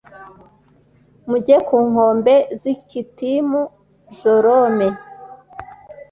mujye ku nkombe z i kitimu jorome